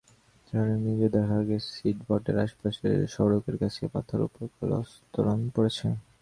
সরেজমিনে দেখা গেছে, ইটভাটার আশপাশের সড়কের গাছের পাতার ওপর কালো আস্তরণ পড়ছে।